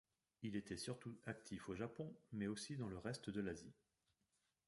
Il était surtout actif au Japon, mais aussi dans le reste de l'Asie.